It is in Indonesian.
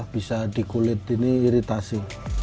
bisa di kulit ini iritasi